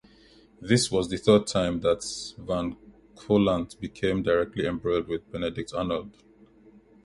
This was the third time that Van Cortlandt became directly embroiled with Benedict Arnold.